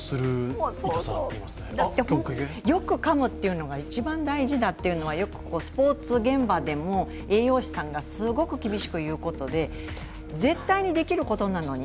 よくかむっていうのが一番大事だっていうのはスポーツ現場でも栄養士さんがすごく厳しく言うことで絶対にできることなのに